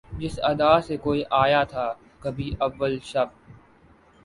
جس ادا سے کوئی آیا تھا کبھی اول شب